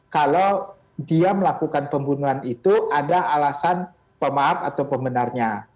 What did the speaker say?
kalau dia melakukan pembunuhan itu ada alasan pemaaf atau pembenarnya